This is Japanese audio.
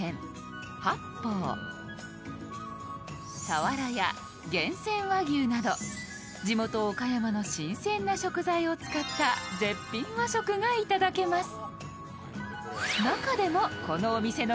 さわらや厳選和牛など、地元・岡山の新鮮な食材を使った絶品和食がいただけます。